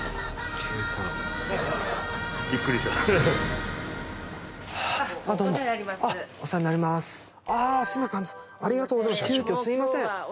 急きょすいません。